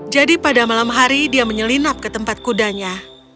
jadi pada malam hari dia menyelinap ke tempat kudanya